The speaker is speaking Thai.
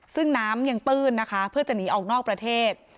ซึ่งน้ำยังตื้นนะคะเพื่อจะหนีออกนอกประเทศ